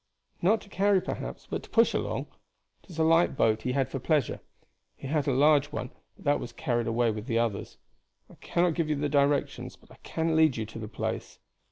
"Not to carry, perhaps, but to push along. It is a light boat he had for pleasure. He had a large one, but that was carried away with the others. I cannot give you directions, but I can lead you to the place."